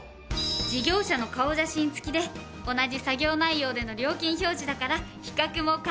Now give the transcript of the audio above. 事業者の顔写真付きで同じ作業内容での料金表示だから比較も簡単。